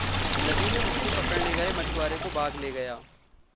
नदी में मछली पकड़ने गए मछुआरे को बाघ ले गया